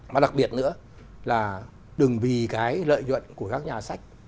mà đặc biệt nữa là đừng vì cái lợi nhuận của các nhà sách